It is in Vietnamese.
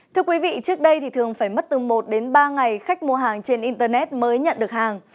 thưa quý vị trước đây thì thường phải mất từ một đến ba ngày khách mua hàng trên internet mới nhận được hàng